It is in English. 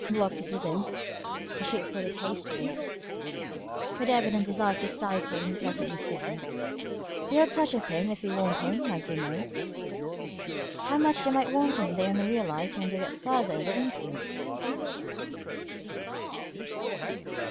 "Block is with him," the Chief put in hastily, with the evident desire to stifle an unpleasant misgiving. "We have touch of him if we want him, as we may." How much they might want him they only realized when they got further in their inquiry!